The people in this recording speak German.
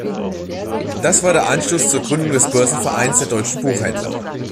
Das war der Anstoß zur Gründung des Börsenvereins der deutschen Buchhändler.